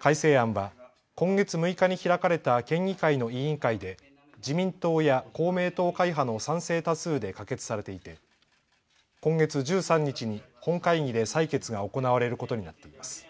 改正案は今月６日に開かれた県議会の委員会で自民党や公明党会派の賛成多数で可決されていて今月１３日に本会議で採決が行われることになっています。